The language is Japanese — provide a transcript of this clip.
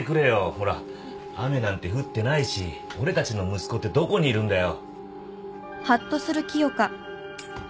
ほら雨なんて降ってないし俺たちの息子ってどこにいるんだよ